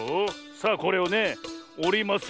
さあこれをねおりますよ。